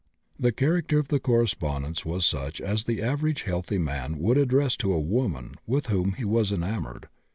The character of the correspondence was such as the average healthy man would address to a woman with whom he was enamored.